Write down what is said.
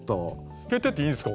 透けてていいんですか？